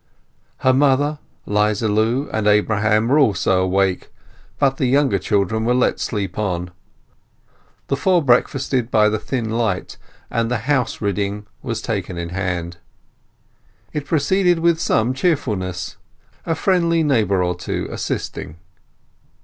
Her mother, 'Liza Lu, and Abraham were also awake, but the younger children were let sleep on. The four breakfasted by the thin light, and the "house ridding" was taken in hand. It proceeded with some cheerfulness, a friendly neighbour or two assisting.